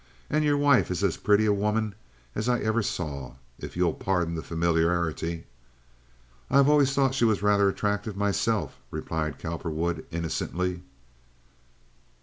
And your wife is as pretty a woman as I ever saw, if you'll pardon the familiarity." "I have always thought she was rather attractive myself," replied Cowperwood, innocently.